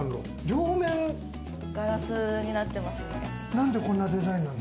両面ガラスになってますね。